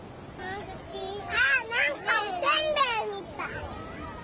なんかおせんべいみたい！